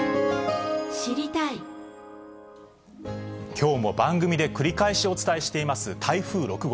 きょうも番組で繰り返しお伝えしています台風６号。